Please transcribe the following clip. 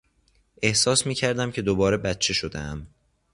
احساس میکردم که دوباره بچه شدهام.